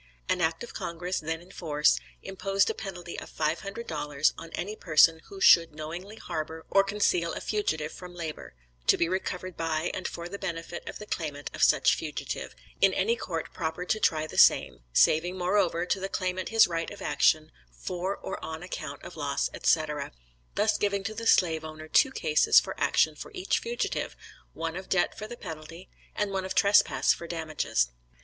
An act of Congress, then in force, imposed a penalty of five hundred dollars on any person who should knowingly harbor or conceal a fugitive from labor, to be recovered by and for the benefit of the claimant of such fugitive, in any Court proper to try the same; saving, moreover, to the claimant his right of action for or on account of loss, etc.; thus giving to the slave owner two cases for action for each fugitive, one of debt for the penalty, and one of trespass for damages.